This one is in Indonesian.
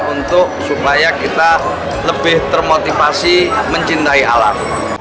untuk supaya kita lebih termotivasi mencintai alam